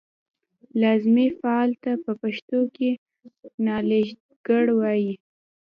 لازمي فعل ته په پښتو کې نالېږندکړ وايي.